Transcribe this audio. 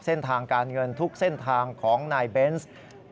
เส้นทางการเงินทุกเส้นทางของนายเบนส์